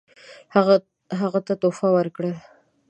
هغه ته تحفې ورکړل.